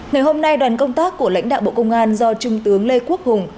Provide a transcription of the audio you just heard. ngày hôm nay đoàn công tác của lãnh đạo bộ công an do trung tướng lê quốc hùng